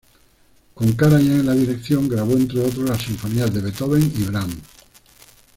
Con Karajan en la dirección grabó, entre otras, las sinfonías de Beethoven y Brahms.